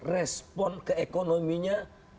respon ke ekonominya